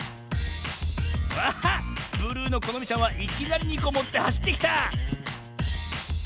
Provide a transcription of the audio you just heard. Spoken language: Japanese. あっブルーのこのみちゃんはいきなり２こもってはしってきた！